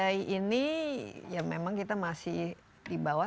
di indonesia ini ya memang kita masih dibawa